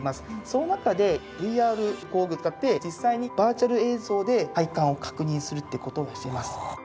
その中でＶＲゴーグルを使って実際にバーチャル映像で配管を確認するっていう事をしています。